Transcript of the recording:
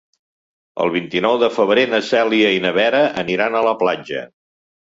El vint-i-nou de febrer na Cèlia i na Vera aniran a la platja.